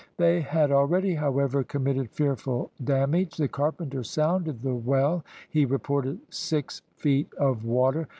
They had already, however, committed fearful damage. The carpenter sounded the well; he reported six feet of water.